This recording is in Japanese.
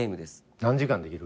何時間できる？